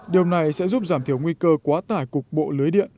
điều này sẽ giúp giảm thiểu nguy cơ quá tải cục bộ lưới điện